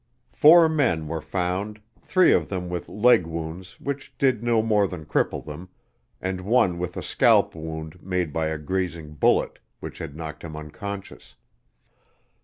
Four men were found, three of them with leg wounds which did no more than cripple them, and one with a scalp wound made by a grazing bullet which had knocked him unconscious.